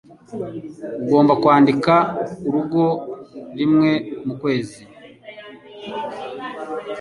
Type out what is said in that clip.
Ugomba kwandika urugo rimwe mu kwezi.